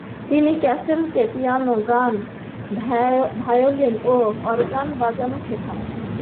তিনি ক্যাসলকে পিয়ানো, গান, ভায়োলিন ও অর্গান বাজানো শেখান।